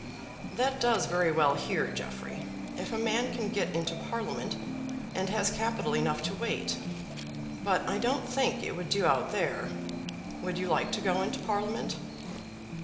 "That does very well here, Jeffrey, if a man can get into Parliament and has capital enough to wait; but I don't think it would do out there. Would you like to go into Parliament?"